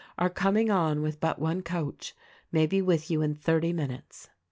Are com ing on with but one coach. May be with you in thirty minutes."